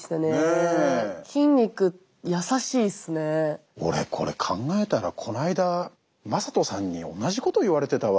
何か俺これ考えたらこの間魔裟斗さんに同じこと言われてたわ。